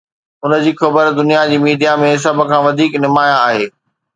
ان جي خبر دنيا جي ميڊيا ۾ سڀ کان وڌيڪ نمايان آهي.